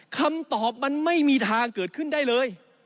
คำตอบมันไม่มีทางเกิดขึ้นได้เลย